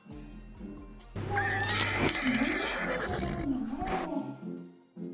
長いひげになっている時もあるんです。